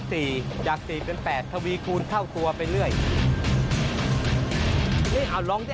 ไสมัยนี่มันจะช้าไม่ได้เลยเพราะช้าเสียทั้งที